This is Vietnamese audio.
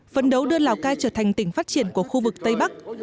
phấn đấu đưa lào cai trở thành tỉnh phát triển của khu vực tây bắc